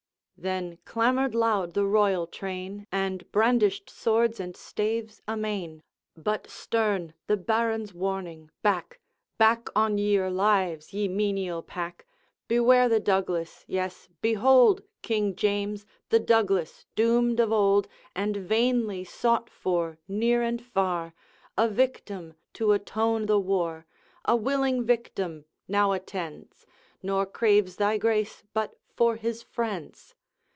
Then clamored loud the royal train, And brandished swords and staves amain, But stern the Baron's warning: 'Back! Back, on your lives, ye menial pack! Beware the Douglas. Yes! behold, King James! The Douglas, doomed of old, And vainly sought for near and far, A victim to atone the war, A willing victim, now attends, Nor craves thy grace but for his friends.